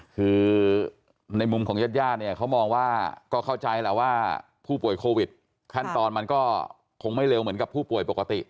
คือในมุมของญาติญาติเนี่ยเขามองว่าก็เข้าใจแหละว่าผู้ป่วยโควิดขั้นตอนมันก็คงไม่เร็วเหมือนกับผู้ป่วยปกติ